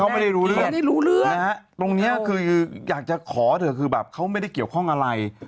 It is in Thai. แบบอยากจะขอไม่ได้เกี่ยวข้องอะไร